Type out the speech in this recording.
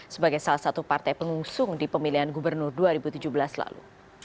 sebagai salah satu partai pengusung di pemilihan gubernur dua ribu tujuh belas lalu